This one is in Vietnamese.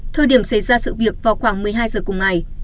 thời điểm xảy ra sự việc vào khoảng một mươi hai giờ cùng ngày